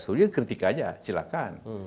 sudah kritik aja silahkan